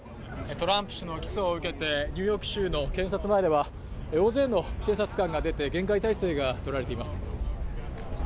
トランプ氏の起訴を受けてニューヨーク州の警察前では大勢の警察官が出て、厳戒態勢がとられています。